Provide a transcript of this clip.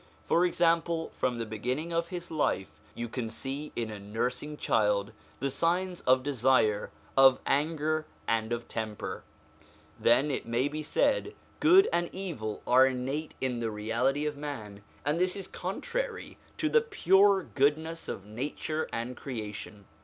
For example, from the beginning of his life you can see in a nursing child the signs of desire, of anger, and of temper. Then, it may be said, good and evil are innate in the reality of man, and this is contrary to the pure goodness of nature and creation.